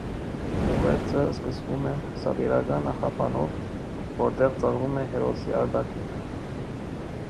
Ուղերձը սկսվում է սատիրական նախաբանով, որտեղ ծաղրում է հերոսի արտաքինը։